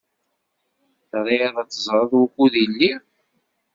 Triḍ ad teẓṛeḍ wukud lliɣ?